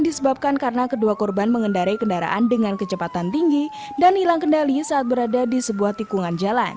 disebabkan karena kedua korban mengendarai kendaraan dengan kecepatan tinggi dan hilang kendali saat berada di sebuah tikungan jalan